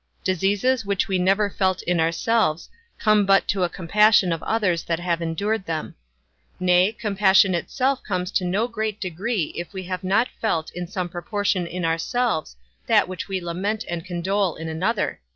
Diseases which we never felt in ourselves come but to a compassion of others that have endured them; nay, compassion itself comes to no great degree if we have not felt in some proportion in ourselves that which we lament and condole in another.